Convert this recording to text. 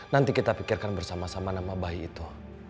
nanti kita pikirkan bersama sama nama bayi itu